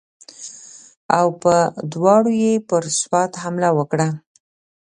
او په دواړو یې پر سوات حمله وکړه.